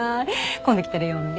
今度来たら呼んで。